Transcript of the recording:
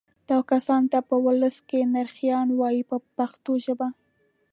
دغو کسانو ته په ولس کې نرخیان وایي په پښتو ژبه.